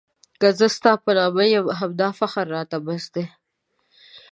که زه ستا په نام یم همدا فخر راته بس دی.